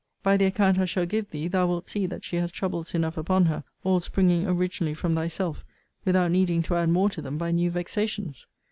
By the account I shall give thee, thou wilt see that she has troubles enough upon her, all springing originally from thyself, without needing to add more to them by new vexations.